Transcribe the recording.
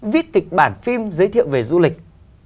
viết kịch bản phim giới thiệu về du lịch